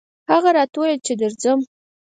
هغه راته وويل چې درځم